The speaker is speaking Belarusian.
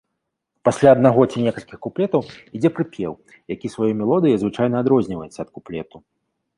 Пасля аднаго ці некалькіх куплетаў ідзе прыпеў, які сваёй мелодыяй звычайна адрозніваецца ад куплету.